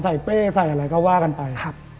เป้ใส่อะไรก็ว่ากันไป